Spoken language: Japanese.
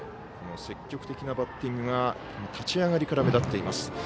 積極的なバッティングが立ち上がりから目立っています。